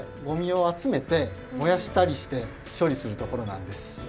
ごみをあつめてもやしたりしてしょりするところなんです。